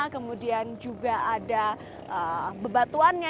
kemudian juga ada bebatuannya